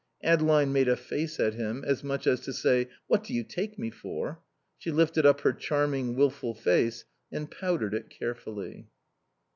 Adeline made a face at him, as much as to say, "What do you take me for?" She lifted up her charming, wilful face and powdered it carefully.